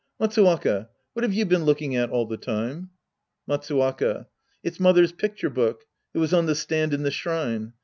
Matsuwaka, what have you been looking at all the time ? Matsuwaka. It's mother's picture book. It was on the stand in the shrine.